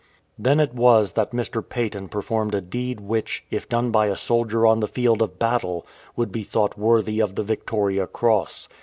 Then it was that Mr. Paton performed a deed which, if done by a soldier on the field of battle, would be thought worthy of the Victoria Cross.